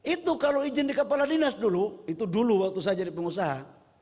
itu kalau izin di kepala dinas dulu itu dulu waktu saya jadi pengusaha